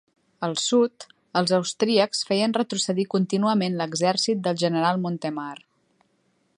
Al sud, els austríacs feien retrocedir contínuament l'exèrcit del general Montemar.